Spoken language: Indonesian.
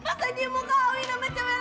masa dia mau kahwin sama cewek lain